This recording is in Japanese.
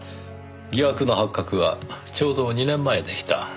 疑惑の発覚はちょうど２年前でした。